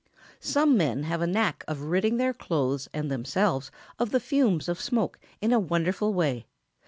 ] Some men have a knack of ridding their clothes and themselves of the fumes of smoke in a wonderful way.